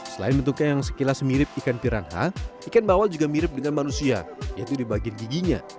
selain bentuknya yang sekilas mirip ikan piranha ikan bawal juga mirip dengan manusia yaitu di bagian giginya